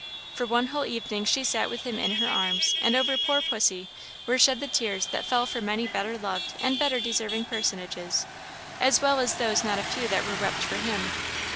For one whole evening she sat with him in her arms; and over poor pussy were shed the tears that fell for many better loved and better deserving personages, as well as those not a few that were wept for him.